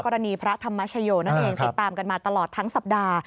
พระธรรมชโยนั่นเองติดตามกันมาตลอดทั้งสัปดาห์